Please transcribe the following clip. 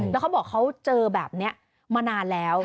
แล้วเขาบอกเขาเจอแบบนี้มานานแล้ว